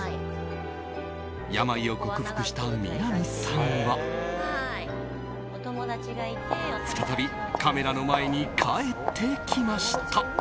病を克服した南さんは再びカメラの前に帰ってきました。